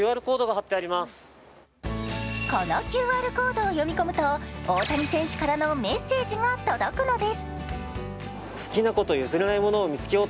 このＱＲコードを読み込むと、大谷選手からのメッセージが届くのです。